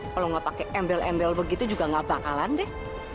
kalau nggak pakai embel embel begitu juga nggak bakalan deh